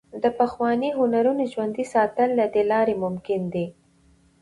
د پخوانیو هنرونو ژوندي ساتل له دې لارې ممکن دي.